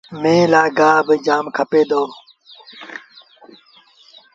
ميݩهن لآ گآه با جآم کپي دو۔